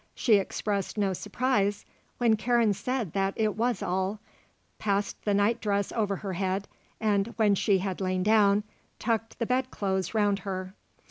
She expressed no surprise when Karen said that it was all, passed the nightdress over her head and, when she had lain down, tucked the bed clothes round her.